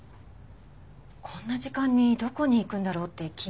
こんな時間にどこに行くんだろうって気になって。